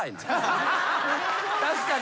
確かに。